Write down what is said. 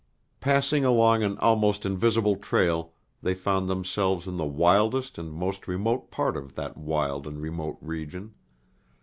Passing along an almost invisible trail, they found themselves in the wildest and most remote part of that wild and remote region.